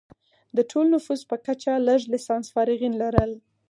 د ټول نفوس په کچه لږ لسانس فارغین لرل.